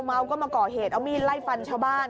เมาก็มาก่อเหตุเอามีดไล่ฟันชาวบ้าน